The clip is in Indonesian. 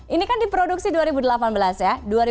ini kan diproduksi dua ribu delapan belas ya